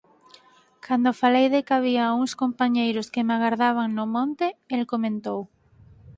Cando falei de que había uns compañeiros que me agardaban no monte, el comentou: